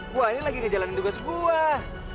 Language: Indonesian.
buah ini lagi ngejalanin tugas buah